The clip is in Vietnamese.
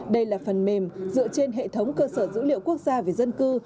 đây là phần mềm dựa trên hệ thống cơ sở dữ liệu quốc gia về dân cư